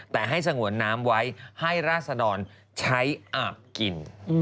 แต่ให้สงวนน้ำไว้ให้ราศดรใช้อาบกิน